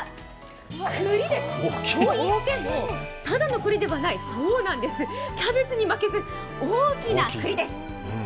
くりです、といってもただのくりではない、キャベツに負けず、大きな栗です。